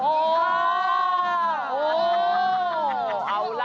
เอาล่ะ